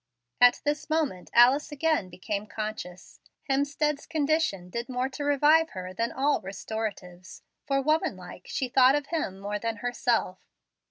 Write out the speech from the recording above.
At this moment Alice again became conscious. Hemstead's condition did more to revive her than all restoratives; for, woman like, she thought of him more than herself.